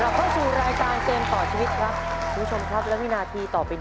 เราพบสู่รายการเตรียมต่อชีวิตครับ